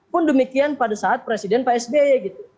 pun demikian pada saat presiden psby